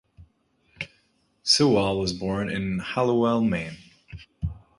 Sewall was born in Hallowell, Maine.